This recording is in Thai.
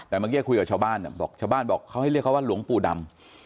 แต่เมื่อกี้คุยกับชาวบ้านบอกชาวบ้านบอกเขาให้เรียกเขาว่าหลวงปู่ดำ